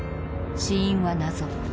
死因は謎。